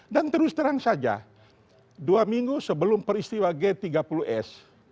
dan terus terang saja dua minggu sebelum peristiwa g tiga puluh s